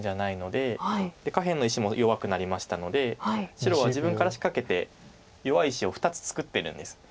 で下辺の石も弱くなりましたので白は自分から仕掛けて弱い石を２つ作ってるんです。